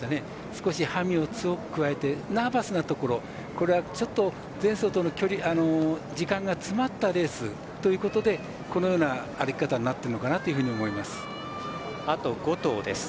少し馬銜を強くくわえてナーバスなところちょっと、前走との距離時間が詰まったレースでこのような歩き方になっているのかなと思います。